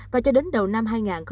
và cho đến đầu năm hai nghìn hai mươi